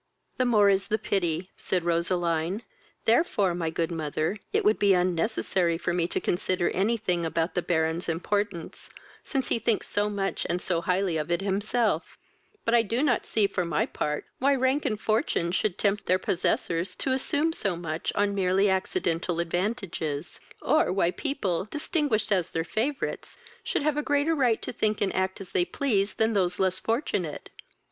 "The more is the pity, (said Roseline;) therefore, my good mother, it would be unnecessary for me to consider any thing about the Baron's importance, since he thinks so much and so highly of it himself: but I do not see, for my part, why rank and fortune should tempt their possessors to assume so much on merely accidental advantages; or why people, distinguished as their favourites, should have a greater right to think and act as they please than those less fortunate.